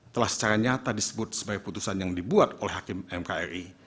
telah secara nyata disebut sebagai putusan yang dibuat oleh hakim mkri